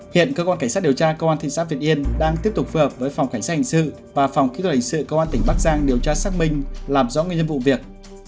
hiện cơ quan cảnh sát điều tra cơ quan thịnh sát việt yên đang tiếp tục phù hợp với phòng cảnh sát hành sự và phòng kỹ thuật hành sự cơ quan tỉnh bắc giang điều tra xác minh làm rõ nguyên nhân vụ việc